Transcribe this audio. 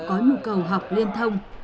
có nhu cầu học liên thông